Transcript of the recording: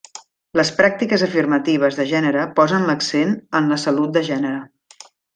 Les pràctiques afirmatives de gènere posen l'accent en la salut de gènere.